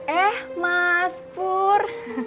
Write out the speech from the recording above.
eh mas pur